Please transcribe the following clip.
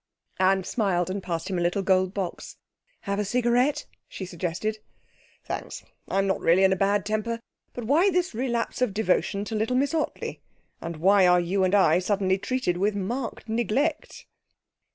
Anne smiled, and passed him a little gold box. 'Have a cigarette?' she suggested. 'Thanks I'm not really in a bad temper. But why this relapse of devotion to little Mrs Ottley? And why are you and I suddenly treated with marked neglect?'